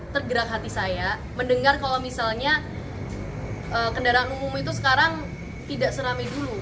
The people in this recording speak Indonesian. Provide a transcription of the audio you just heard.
tergerak hati saya mendengar kalau misalnya kendaraan umum itu sekarang tidak serami dulu